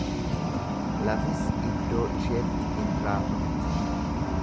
Lafis iddoo isheetti in raafamti.